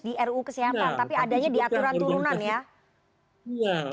di ruu kesehatan tapi adanya di aturan